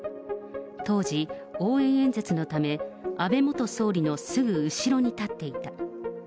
当時、応援演説のため、安倍元総理のすぐ後ろに立っていた。